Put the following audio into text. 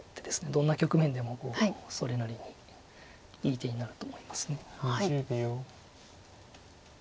どんな局面でもそれなりにいい手になると思います。